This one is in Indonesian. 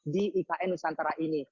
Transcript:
di ikn nusantara ini